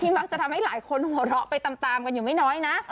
มักจะทำให้หลายคนหัวเราะไปตามกันอยู่ไม่น้อยนะ